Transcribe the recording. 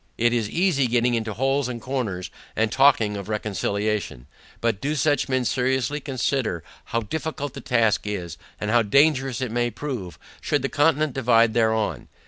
It is easy getting into holes and corners and talking of reconciliation: But do such men seriously consider, how difficult the task is, and how dangerous it may prove, should the Continent divide thereon.